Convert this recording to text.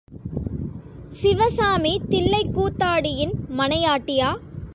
சிவசாமி தில்லைக் கூத்தாடியின் மனையாட்டியா?